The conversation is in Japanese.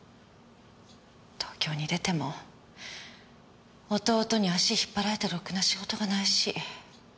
東京に出ても弟に足引っ張られてろくな仕事がないし。